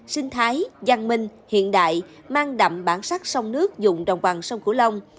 sinh thái giang minh hiện đại mang đậm bản sắc sông nước dùng đồng bằng sông cửu long